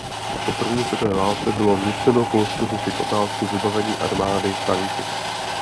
Po první světové válce bylo nuceno Polsko řešit otázku vybavení armády tanky.